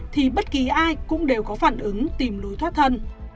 thì bất kỳ ai cũng đều có phản ứng tìm lối thoát thân